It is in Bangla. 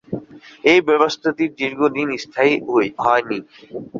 এই ব্যবস্থাটি দীর্ঘদিন স্থায়ী হয়নি।